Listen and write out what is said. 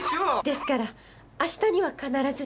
ですから明日には必ず。